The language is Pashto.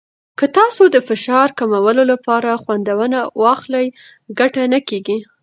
که تاسو د فشار کمولو لپاره خوند ونه واخلئ، ګټه نه کېږي.